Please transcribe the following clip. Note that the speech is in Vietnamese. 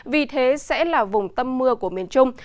vì thế sẽ là vùng tâm mưa của miền trung